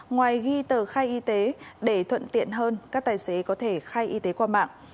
ngoài ghi tờ khai y tế để thuận tiện hơn các tài xế có thể khai y tế qua mạng